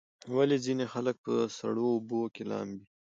ولې ځینې خلک په سړو اوبو کې لامبي؟